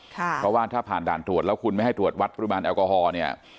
เพราะว่าถ้าผ่านด่านตรวจแล้วคุณไม่ให้ตรวจวัดปริมาณแอลกอฮอล์เนี่ย